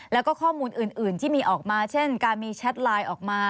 แล้วก็ข้อมูลอื่นที่มีออกมาเช่นการมีแชทไลน์ออกมา